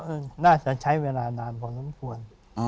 น่าจะใช้เวลานานพอสมควร